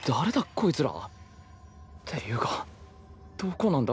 こいつら。っていうかどこなんだ？